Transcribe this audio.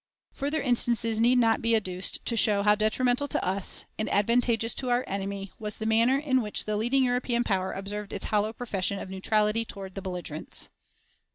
Further instances need not be adduced to show how detrimental to us, and advantageous to our enemy, was the manner in which the leading European power observed its hollow profession of neutrality toward the belligerents.